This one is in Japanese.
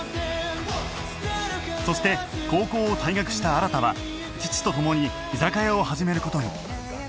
そして高校を退学した新は父と共に居酒屋を始める事に